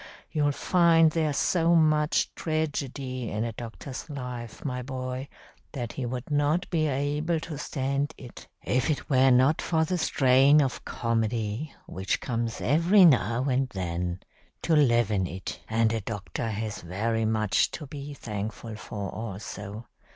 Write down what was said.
You'll find there's so much tragedy in a doctor's life, my boy, that he would not be able to stand it if it were not for the strain of comedy which comes every now and then to leaven it. "And a doctor has very much to be thankful for also.